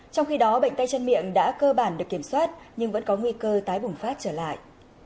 trong khi đó bệnh tay chân miệng đã cơ bản được kiểm soát nhưng vẫn có nguy cơ tái bùng phát trở lại